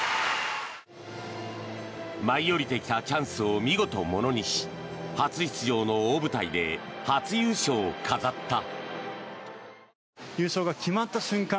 舞い降りてきたチャンスを見事、ものにし初出場の大舞台で初優勝を飾った。